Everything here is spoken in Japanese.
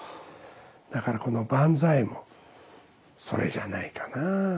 だからこの「万歳」もそれじゃないかなあ。